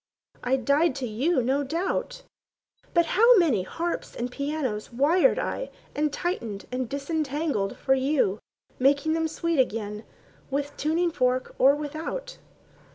I died to you, no doubt. But how many harps and pianos Wired I and tightened and disentangled for you, Making them sweet again—with tuning fork or without?